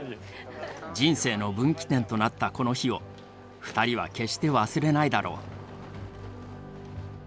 人生の分岐点となったこの日を２人は決して忘れないだろう。